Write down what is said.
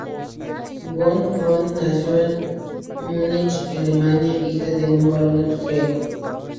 Von Franz nació en Múnich, Alemania, hija de un barón austríaco.